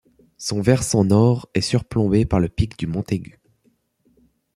Son versant nord est surplombé par le Pic du Montaigu.